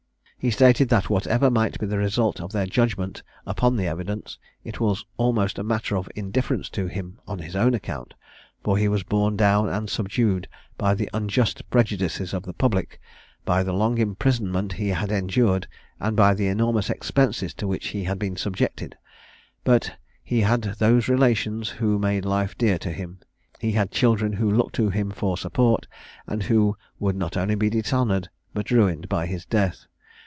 He stated that whatever might be the result of their judgment upon the evidence, it was almost a matter of indifference to him on his own account; for he was borne down and subdued by the unjust prejudices of the public, by the long imprisonment he had endured, and by the enormous expenses to which he had been subjected; but he had those relations who made life dear to him: he had children who looked to him for support, and who would not only be dishonoured, but ruined by his death.